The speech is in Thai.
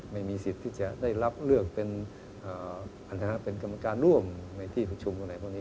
ไม่มีสิทธิ์ที่จะได้รับเลือกผันฐานพันธ์กรรมการร่วมในที่สถิดชม